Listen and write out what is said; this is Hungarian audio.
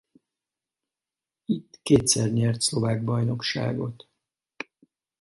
Itt kétszer nyert szlovák bajnokságot.